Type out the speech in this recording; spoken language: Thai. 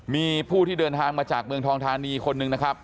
มีผู้ที่เดินทางมาจากเมืองทองทานีคนหนึ่งนะครับ